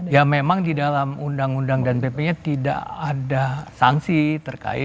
ya memang di dalam undang undang dan pp nya tidak ada sanksi terkait